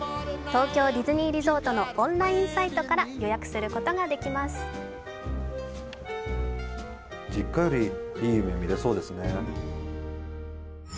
東京ディズニーリゾートのオンラインサイトから予約することができます。